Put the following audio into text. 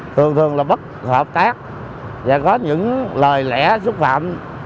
thường thường là bất hợp tác và có những lời lẽ xúc phạm